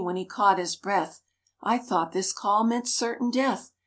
l • baid lLL/DY L*, when he caught his breath, " I thought this call meant certain death.